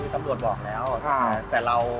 ตำรวจบอกแล้ว